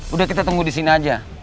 udah kita tunggu di sini aja